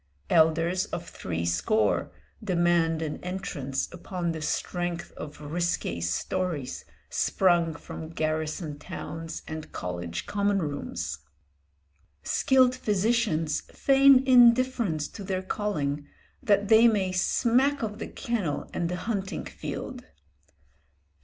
Elders of threescore demand an entrance upon the strength of risqué stories sprung from garrison towns and college common rooms. Skilled physicians feign indifference to their calling that they may smack of the kennel and the hunting field.